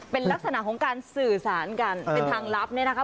เป็นลักษณะของการสื่อสารกันเป็นทางลับเนี่ยนะคะ